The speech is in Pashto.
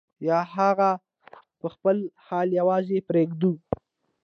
یا هغه په خپل حال یوازې پرېږدو.